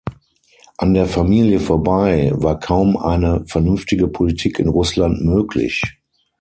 An der „Familie“ vorbei war kaum eine vernünftige Politik in Russland möglich.